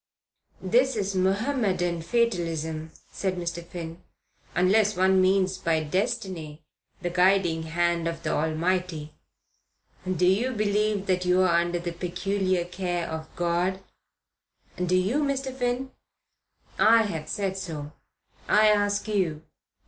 "That is Mohammedan fatalism," said Mr. Finn, "unless one means by destiny the guiding hand of the Almighty. Do you believe that you're under the peculiar care of God?" "Do you, Mr. Finn?" "I have said so. I ask you.